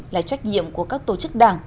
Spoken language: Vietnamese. là trách nhiệm của các tổ chức đảng